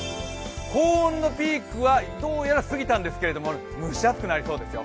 高温のピークはどうやら過ぎたんですけど、蒸し暑くなりそうですよ。